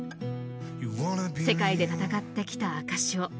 世界で戦ってきた証しを。